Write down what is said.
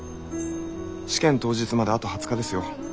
試験当日まであと２０日ですよ。